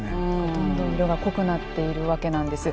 どんどん色が濃くなっているわけなんです。